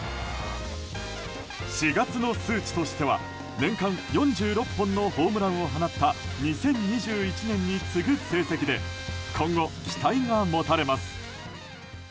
４月の数値としては年間４６本のホームランを放った２０２１年に次ぐ成績で今後、期待が持たれます。